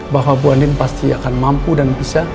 bahwa bu anin pasti akan mampu dan bisa